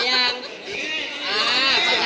อ่าโอเคเอา